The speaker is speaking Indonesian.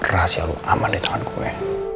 rahasia lo aman di tangan gue